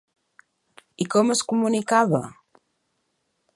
I com es comunicava?